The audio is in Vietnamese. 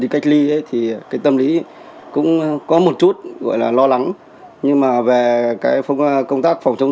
tâm lý thì cái tâm lý cũng có một chút gọi là lo lắng nhưng mà về cái phương công tác phòng chống